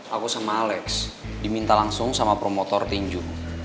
aku sama alex diminta langsung sama promotor tinju